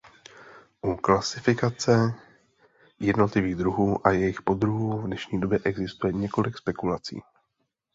U klasifikace jednotlivých druhů a jejich poddruhů v dnešní době existuje několik spekulací.